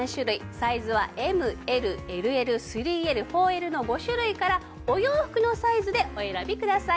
サイズはＭＬＬＬ３Ｌ４Ｌの５種類からお洋服のサイズでお選びください。